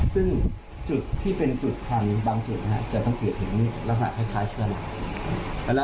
ซึ่งจุดที่เป็นจุดทันบางจุดจะต้องเกิดถึงละพัดคล้ายเชื้อรา